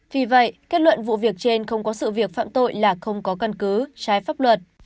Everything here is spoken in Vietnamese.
vì vậy kết luận vụ việc trên không có sự việc phạm tội là không có căn cứ trái pháp luật